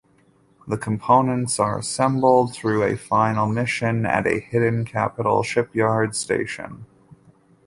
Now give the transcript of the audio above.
The components are assembled through a final mission at a hidden capital shipyard station.